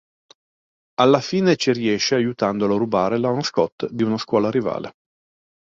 Alla fine ci riesce aiutandolo a rubare la mascotte di una scuola rivale.